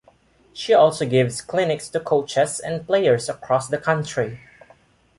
She also gives clinics to coaches and players across the country.